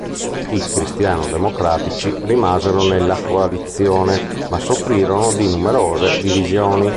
I Cristiano-democratici rimasero nella coalizione, ma soffrirono di numerose divisioni.